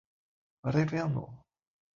Revenu!!